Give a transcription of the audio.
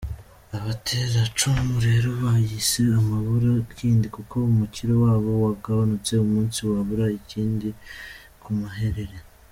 Abateracumu rero bayise amabura Kindi kuko umukiro wabo wagabanutse umunsi Babura Kindi ku maherere.